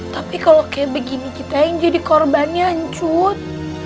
tapi kalau kayak begini kita yang jadi korbannya cut